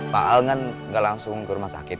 pak al kan nggak langsung ke rumah sakit